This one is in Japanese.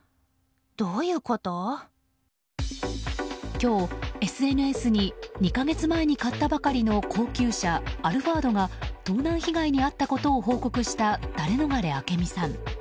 今日、ＳＮＳに２か月前に買ったばかりの高級車、アルファードが盗難被害に遭ったことを報告したダレノガレ明美さん。